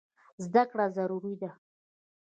زده کړه ضروري ده.